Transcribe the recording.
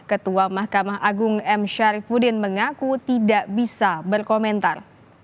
ketua mahkamah agung m syarifudin mengaku tidak bisa berkomentar